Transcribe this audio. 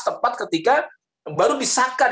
tepat ketika baru disahkan